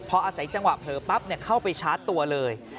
พออาศัยจังหวะเผลอปั๊บเข้าไปชาร์จตัวเลย